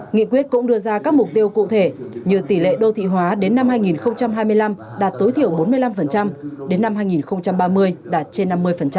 nghị quyết cũng đưa ra các mục tiêu cụ thể như tỷ lệ đô thị hóa đến năm hai nghìn hai mươi năm đạt tối thiểu bốn mươi năm đến năm hai nghìn ba mươi đạt trên năm mươi